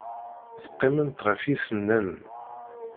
Teqqimemt ɣef yisennanen.